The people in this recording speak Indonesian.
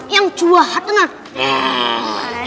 yang cua hati hati